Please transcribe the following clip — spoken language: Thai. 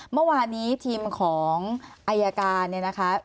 เมื่อวานนี้ทีมของอายการเนี่ยนะคะ